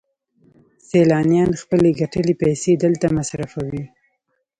سیلانیان خپلې ګټلې پیسې دلته مصرفوي